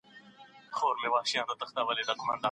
انسان باید غلام پاته نه سي.